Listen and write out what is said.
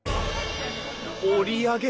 折り上げ